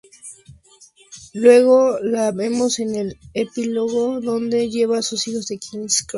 Luego la vemos en el Epílogo, donde lleva a sus hijos a King's Cross.